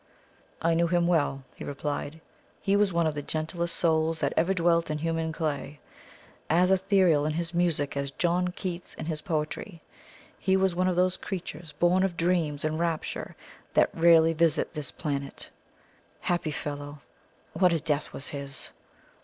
"I knew him well," he replied; "he was one of the gentlest souls that ever dwelt in human clay. As ethereal in his music as John Keats in his poetry, he was one of those creatures born of dreams and rapture that rarely visit this planet. Happy fellow! What a death was his!"